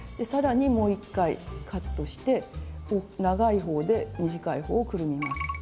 さらにもう一回カットして長い方で短い方をくるみます。